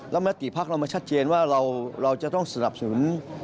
แล้วมติภักดิ์เรามาชัดเจนว่าเราจะต้องสนับสนุน